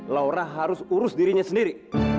laura harus urus dirinya sendiri